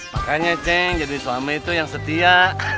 makanya ceng jadi suami itu yang setia